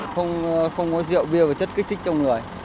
không có rượu bia và chất kích thích trong người